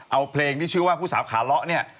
เอาเพลงที่ชื่อว่าผู้สาวขาเลาะเนี่ย